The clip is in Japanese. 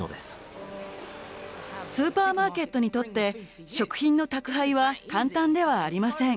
スーパーマーケットにとって食品の宅配は簡単ではありません。